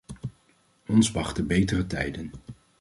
Ons wachten betere tijden.